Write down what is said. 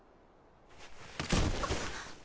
あっ！